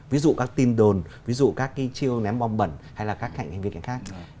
ví dụ các tin đồn ví dụ các cái chiêu ném bom bẩn hay là các hành vi khác